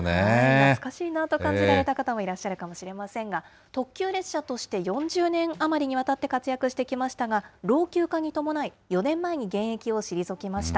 懐かしいなと感じられた方もいらっしゃるかもしれませんが、特急列車として４０年余りにわたって活躍してきましたが、老朽化に伴い、４年前に現役を退きました。